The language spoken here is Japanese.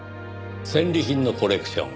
戦利品のコレクション。